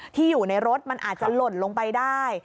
ที่อยู่ในรถมันอาจจะหล่นลงไปได้